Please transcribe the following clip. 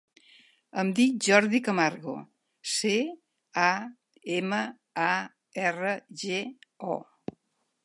Em dic Jordi Camargo: ce, a, ema, a, erra, ge, o.